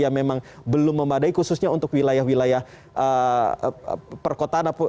yang memang belum memadai khususnya untuk wilayah wilayah perkotaan